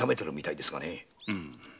うん。